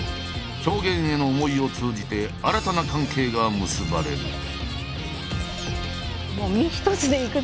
表現への思いを通じて新たな関係が結ばれる。